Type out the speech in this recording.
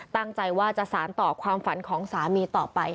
ตั้งใจว่าจะสารต่อความฝันของสามีต่อไป